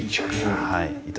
はい。